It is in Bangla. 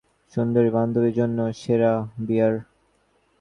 সুন্দরী বান্ধবীর জন্য সেরা বিয়ার।